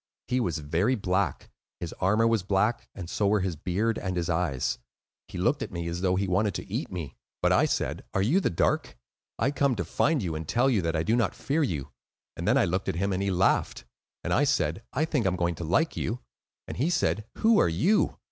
He was very black; his armor was black, and so were his beard and his eyes. He looked at me as though he wanted to eat me. But I said, 'Are you the Dark? I come to find you and to tell you that I do not fear you.' And then I looked at him, and he laughed, and I said, 'I think I am going to like you;' and he said, 'Who are you?